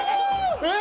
えっ！